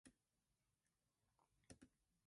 She also launched her own podcast called Scene Change.